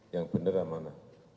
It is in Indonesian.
yang beneran mana